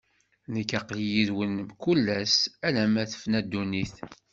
Nekk, aql-i yid-wen mkul ass, alamma tefna ddunit.